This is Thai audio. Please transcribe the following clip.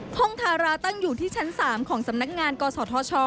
ห้องทาราตั้งอยู่ที่ชั้น๓ของสำนักงานกศธช